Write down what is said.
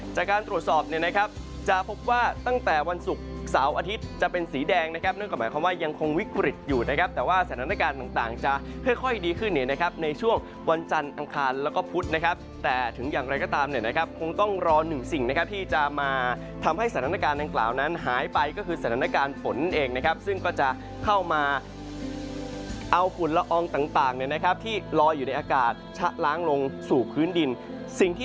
จากการตรวจสอบเนี่ยนะครับจะพบว่าตั้งแต่วันศุกร์เสาร์อาทิตย์จะเป็นสีแดงนะครับเนื่องกับหมายความว่ายังคงวิกฤตอยู่นะครับแต่ว่าสถานการณ์ต่างจะค่อยดีขึ้นเนี่ยนะครับในช่วงวันจันทร์อังคารแล้วก็พุธนะครับแต่ถึงอย่างไรก็ตามเนี่ยนะครับคงต้องรอหนึ่งสิ่งนะครับที่จะมาทำให้สถานการณ์ต่